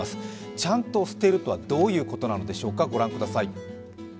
ちゃんと捨てるとはどういうことなのでしょうか、御覧ください。